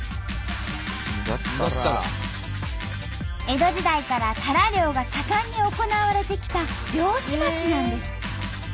江戸時代からタラ漁が盛んに行われてきた漁師町なんです。